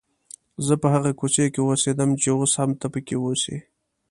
زه په هغې کوڅې کې اوسېدم چې اوس هم ته پکې اوسې.